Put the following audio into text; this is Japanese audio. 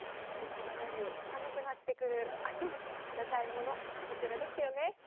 このように寒くなってくる秋に食べたいもの、こちらですよね。